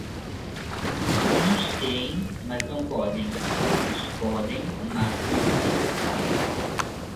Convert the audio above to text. Uns têem mas não podem, outros podem mas não têem.